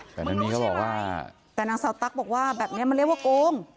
แต่ทั้งนี้เขาบอกว่าแต่นางสาวตั๊กบอกว่าแบบนี้มันเรียกว่าโกง